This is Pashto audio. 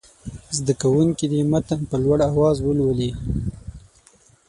زده کوونکي دې متن په لوړ اواز ولولي.